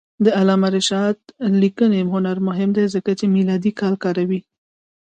د علامه رشاد لیکنی هنر مهم دی ځکه چې میلادي کال کاروي.